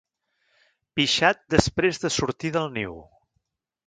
Pixat després de sortir del niu.